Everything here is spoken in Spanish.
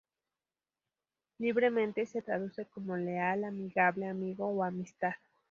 Libremente se traduce como "Leal", "amigable", "amigo" o "amistad".